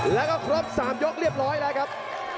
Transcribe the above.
แล้วก็ครบ๓ยกเรียบร้อยแล้วครับ